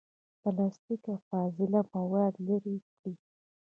پلاستیک، او فاضله مواد لرې کړي.